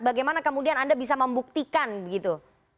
bagaimana kemudian anda bisa membuktikan begitu